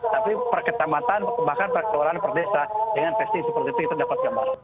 tapi perketamatan bahkan perkeluaran perdesa dengan testing seperti itu kita dapat gambar